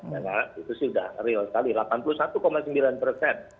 karena itu sudah real sekali